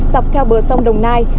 dọc theo bờ sông đồng nai